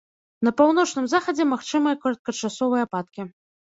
На паўночным захадзе магчымыя кароткачасовыя ападкі.